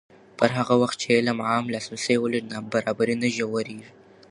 پر هغه وخت چې علم عام لاسرسی ولري، نابرابري نه ژورېږي.